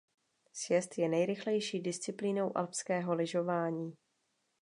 Sjezd je nejrychlejší disciplínou alpského lyžování.